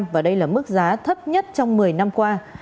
và đây là mức giá thấp nhất trong một mươi năm qua